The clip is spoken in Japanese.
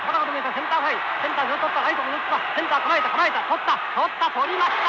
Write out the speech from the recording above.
センター構えた構えた。